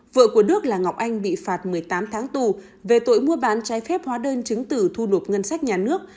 vợ của đức là ngọc anh bị phạt một mươi tám tháng tù về tội mua bán trái phép hóa đơn chứng tử thu nộp ngân sách nhà nước